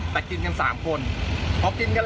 ซึ่งก็มี๓คน